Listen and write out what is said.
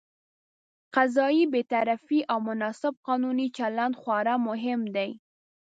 قضايي بېطرفي او مناسب قانوني چلند خورا مهم دي.